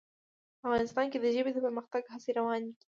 افغانستان کې د ژبې د پرمختګ هڅې روانې دي.